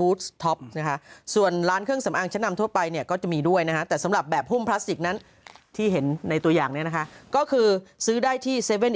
บูสท็อปนะคะส่วนร้านเครื่องสำอางชั้นนำทั่วไปเนี่ยก็จะมีด้วยนะฮะแต่สำหรับแบบหุ้มพลาสติกนั้นที่เห็นในตัวอย่างเนี่ยนะคะก็คือซื้อได้ที่๗๑๑